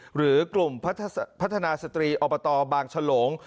หรือกลุ่มพัฒนาสตรีอบตบางฉลง